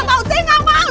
gak mau saya gak mau